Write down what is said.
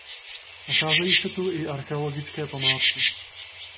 Nacházejí se tu i archeologické památky.